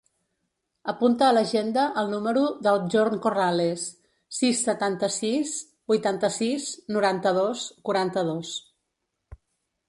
Apunta a l'agenda el número del Bjorn Corrales: sis, setanta-sis, vuitanta-sis, noranta-dos, quaranta-dos.